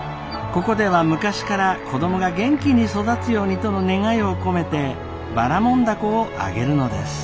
ここでは昔から子供が元気に育つようにとの願いを込めてばらもん凧をあげるのです。